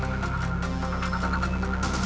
masem itu diketahui kamu